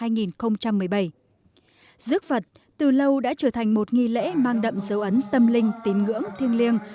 năm hai nghìn một mươi bảy giấc phật từ lâu đã trở thành một nghị lễ mang đậm dấu ấn tâm linh tín ngưỡng thiêng liêng